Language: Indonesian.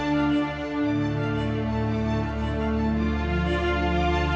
sekarang dia akan sumpah